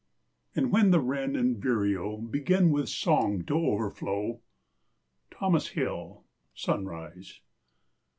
_) "And then the wren and vireo Begin with song to overflow." —Thomas Hill—"Sunrise."